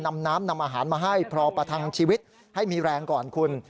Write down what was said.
นำน้ำนำอาหารมาให้พอประทังชีวิตให้มีแรงก่อนคุณ